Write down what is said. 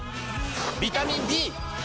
ビタミン Ｂ！